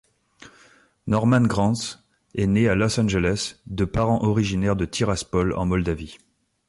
Norman Granz est né à Los Angeles, de parents originaires de Tiraspol, en Moldavie.